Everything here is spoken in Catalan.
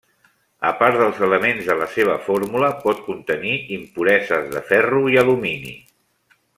A part dels elements de la seva fórmula, pot contenir impureses de ferro i alumini.